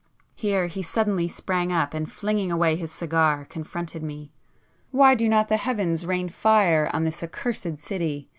Here he suddenly sprang up, and flinging away his cigar, confronted me. "Why do not the heavens rain fire on this accursed city!